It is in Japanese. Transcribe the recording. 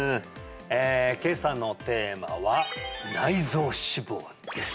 今朝のテーマは内臓脂肪です